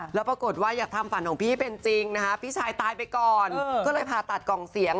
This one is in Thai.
ครับทุกคนเข้ากันหมดเชื่อเป็นตู่เป็นตาเห้ย